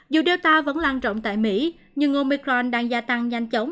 dù do vẫn lan rộng tại mỹ nhưng omicron đang gia tăng nhanh chóng